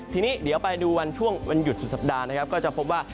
ทีนี้เดี๋ยวไปดูวันช่วงวันหยุดสุดสัปดาห์นะครับก็จะพบว่า